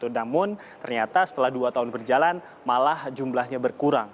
namun ternyata setelah dua tahun berjalan malah jumlahnya berkurang